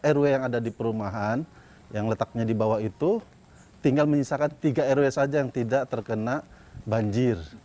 rw yang ada di perumahan yang letaknya di bawah itu tinggal menyisakan tiga rw saja yang tidak terkena banjir